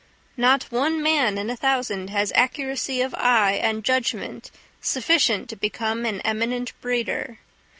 Not one man in a thousand has accuracy of eye and judgment sufficient to become an eminent breeder.